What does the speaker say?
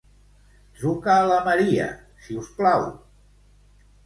Truca a la Maria, si us plau.